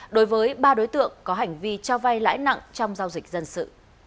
đối với ba đối tượng có hành vi trao vai lãi nặng trong giao dịch dân sự